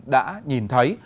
đã nhìn thấy